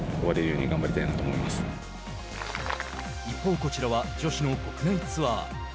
一方こちらは女子の国内ツアー。